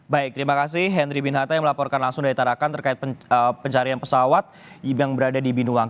baik terima kasih henry bin hatta yang melaporkan langsung dari tarakan terkait pencarian pesawat yang berada di binuang